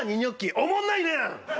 おもんないねん！